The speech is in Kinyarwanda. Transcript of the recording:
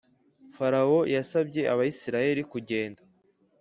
Farawo yasabye Abisirayeli kugenda